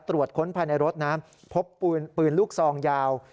ตรวจค้นภายในรถนะพบปืนลูกซองยาว